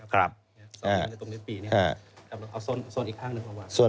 เอาส้นอีกข้างนึง